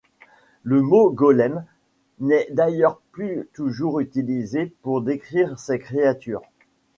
Le mot golem n’est d’ailleurs plus toujours utilisé pour décrire ces créatures.